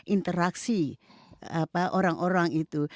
interaksi orang orang itu